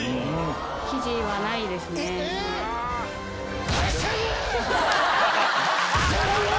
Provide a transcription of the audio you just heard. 生地はないですね、もう。